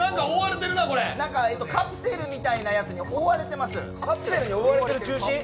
カプセルみたいなやつに覆われています。